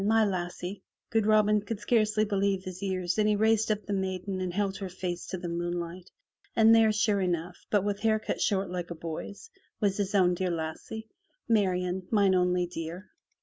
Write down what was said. My lassie!'* Good Robin could scarce believe his ears and he raised up the maiden and held her face to the moon light, and there sure enough, but with hair cut short like a boy's, was his own dear lassie. "Marian, mine only dear!''